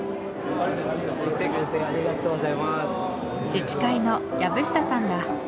自治会の薮下さんだ。